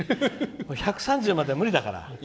１３０までは無理だから。